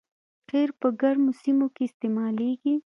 قیر په ګرمو سیمو کې استعمالیږي